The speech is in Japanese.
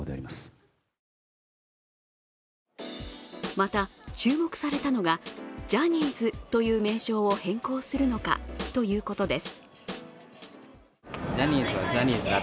また注目されたのがジャニーズという名称を変更するのかということです。